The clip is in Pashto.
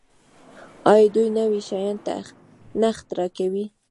آیا دوی نوي شیان نه اختراع کوي؟